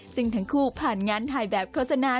ซึ่งทั้งคู่ผ่านงานถ่ายแบบโฆษณา